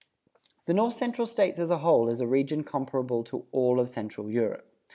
The North Central States as a whole is a region comparable to all of Central Europe.